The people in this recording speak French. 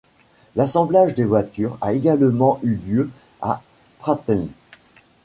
L'assemblage des voitures a également eu lieu à Pratteln.